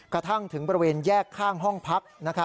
กระทั่งถึงบริเวณแยกข้างห้องพัก